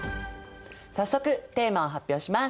早速テーマを発表します。